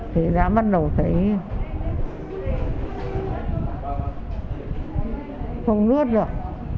thì đã bắt đầu thấy không nuốt được